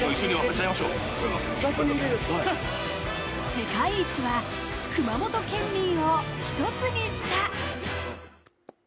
世界一は、熊本県民を一つにした。